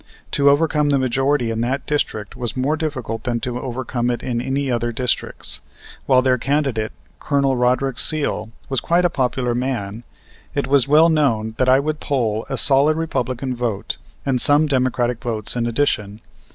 To overcome the majority in that district was more difficult than to overcome it in any of the other districts. While their candidate, Colonel Roderick Seal, was quite a popular man, it was well known that I would poll a solid Republican vote and some Democratic votes in addition.